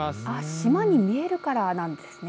島に見えるからなんですね。